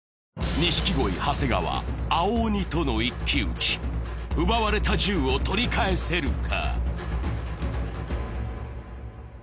錦鯉長谷川青鬼との一騎打ち奪われた銃を取り返せるか？